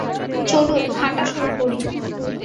চলুন, হাঁটা শুরু করি!